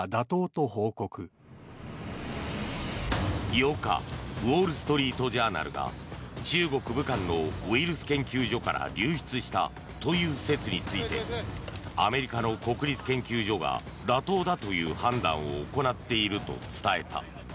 ８日、ウォール・ストリート・ジャーナルが中国武漢のウイルス研究所から流出したという説についてアメリカの国立研究所が妥当だという判断を行っていると伝えた。